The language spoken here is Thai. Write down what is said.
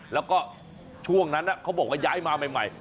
แล้วก็ช่วงนั้นเขาบอกว่าย้ายมาใหม่